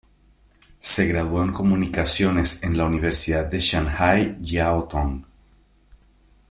Se graduó en comunicaciones en la Universidad de Shanghái Jiao Tong.